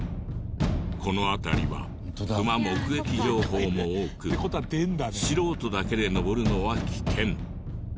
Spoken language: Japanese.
この辺りはクマ目撃情報も多く素人だけで登るのは危険。